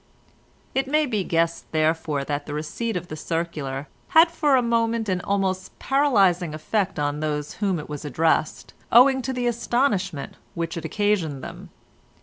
It may be guessed, therefore, that the receipt of the circular had for a moment an almost paralysing effect on those to whom it was addressed, owing to the astonishment which it occasioned them.